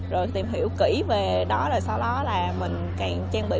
rồi tìm hiểu kỹ về đó rồi sau đó là mình càng trang bị